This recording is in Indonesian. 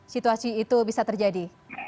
situasi itu bisa terjadi